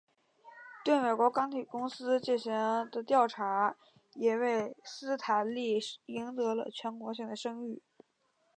对美国钢铁公司进行的调查也为斯坦利赢得了全国性的声誉。